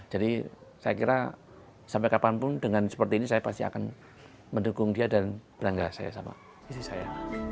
jadi saya kira sampai kapanpun dengan seperti ini saya pasti akan mendukung dia dan berangga sama istri saya